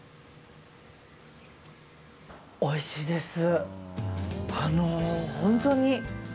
おいしいです。